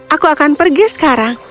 aku akan pergi sekarang